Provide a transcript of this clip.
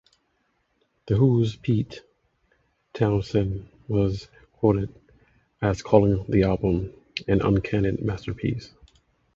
The Who's Pete Townshend was quoted as calling the album "an uncanny masterpiece".